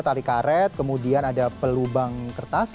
tali karet kemudian ada pelubang kertas